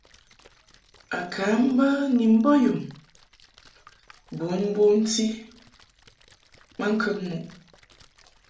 A ka mbə ni mbɔnyum bun bomti maŋkəŋ muʼ.